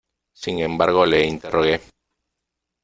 sin embargo le interrogué :